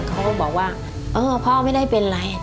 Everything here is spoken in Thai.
เขาก็บอกว่าเออพ่อไม่ได้เป็นไร